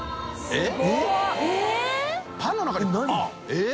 えっ？